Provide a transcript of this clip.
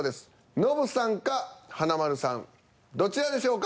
ノブさんか華丸さんどちらでしょうか？